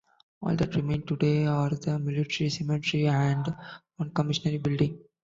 All that remain today are the military cemetery and one commissary building.